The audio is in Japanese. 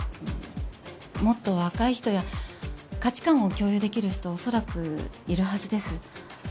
もっと若い人や価値観を共有できる人は恐らくいるはずです